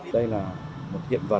đây là một hiện vật